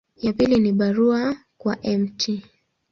Ya pili ni barua kwa Mt.